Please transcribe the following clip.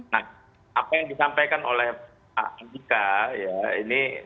nah apa yang disampaikan oleh pak andika ya ini